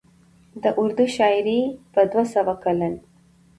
د اردو شاعرۍ په دوه سوه کلن